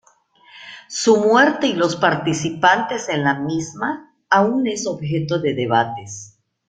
Su muerte y los participantes en la misma, aún es objeto de debates.